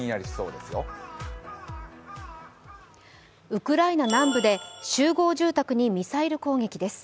ウクライナ南部で集合住宅にミサイル攻撃です。